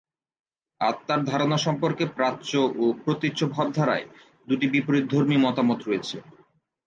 আত্মার ধারণা সম্পর্কে প্রাচ্য ও প্রতীচ্য ভাবধারায় দুটি বিপরীতধর্মী মতামত রয়েছে।